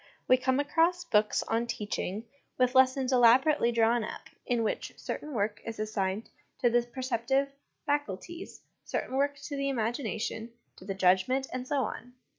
We come across books on teach ing, with lessons elaborately drawn up, in which certain work is assigned to the perceptive faculties, certain work to the imagination, to the judgment, and so on.